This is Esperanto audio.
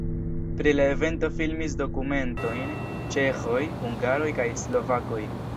Pri la evento filmis dokumentojn ĉeĥoj, hungaroj kaj slovakoj.